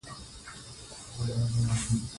ازادي راډیو د کرهنه په اړه د خلکو پوهاوی زیات کړی.